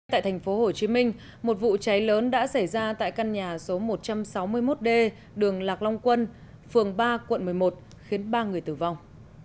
tại thành phố hồ chí minh một vụ cháy lớn đã xảy ra tại căn nhà số một trăm sáu mươi một d đường lạc long quân phường ba quận một mươi một khiến ba người tử vong